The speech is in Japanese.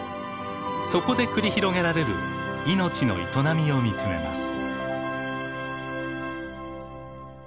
そこで繰り広げられる命の営みを見つめます。